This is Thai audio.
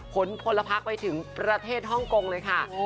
ผลพลพักไปถึงประเทศฮ่องกงเลยค่ะ